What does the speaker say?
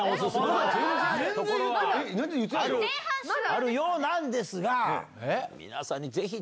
あるようなんですが皆さんにぜひ。